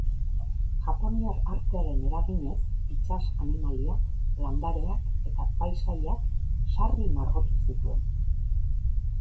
Japoniar artearen eraginez itsas-animaliak, landareak eta paisaiak sarri margotu zituen.